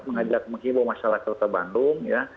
mengajak mungkin buat masyarakat bandung ya